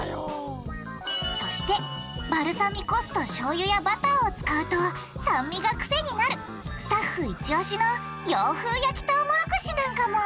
そしてバルサミコ酢としょうゆやバターを使うと酸味がクセになるスタッフイチオシの洋風焼きトウモロコシなんかも！